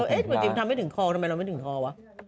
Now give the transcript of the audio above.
เอ๊ะเหมือนจิ๊มทำไม่ถึงคอทำไมเราไม่ถึงคอวะ